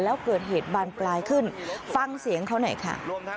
แล้วเกิดเหตุบานปลายขึ้นฟังเสียงเขาหน่อยค่ะ